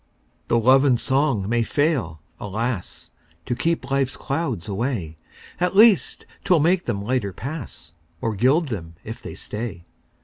Tho' love and song may fail, alas! To keep life's clouds away, At least 'twill make them lighter pass, Or gild them if they stay.